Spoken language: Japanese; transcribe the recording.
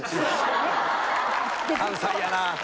関西やな。